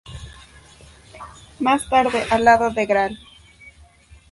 Más tarde, al lado del Gral.